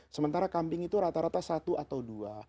sementara kambing itu rata rata satu atau dua